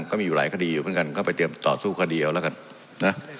ก็มีอยู่หลายคดีอยู่เหมือนกันก็ไปเตรียมต่อสู้คดีเอาแล้วกันนะ